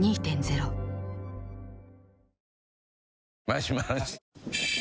回します。